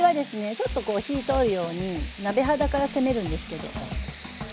ちょっとこう火通るように鍋肌から攻めるんですけどはい。